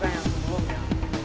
terima kasih teman